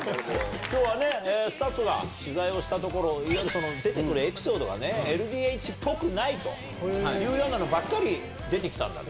きょうはね、スタッフが着替えをしたところ、出てくるエピソードはね、ＬＤＨっぽくないというのばかり出てきたんだって。